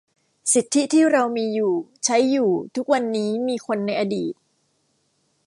สิทธิที่เรามีอยู่ ใช้อยู่ ทุกวันนี้ มีคนในอดีต